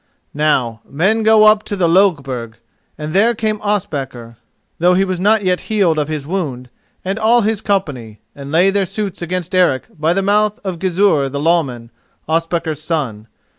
Now, men go up to the Lögberg, and there came Ospakar, though he was not yet healed of his wound, and all his company, and laid their suits against Eric by the mouth of Gizur the Lawman, Ospakar's son.